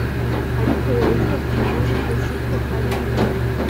ariko Yozefu yari azi ko ari bibi